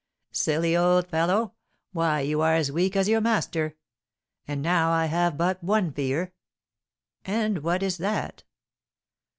"Silly old fellow! Why you are as weak as your master. And now I have but one fear." "And what is that?"